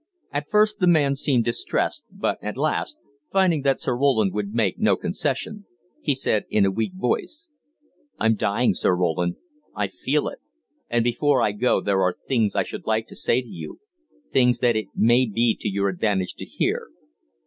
At first the man seemed distressed, but at last, finding that Sir Roland would make no concession, he said in a weak voice: "I'm dying, Sir Roland, I feel it, and before I go there are things I should like to say to you things that it may be to your advantage to hear."